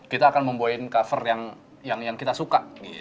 kita akan bawa cover yang kita suka gitu